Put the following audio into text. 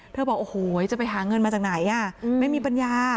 บอกโอ้โหจะไปหาเงินมาจากไหนไม่มีปัญญา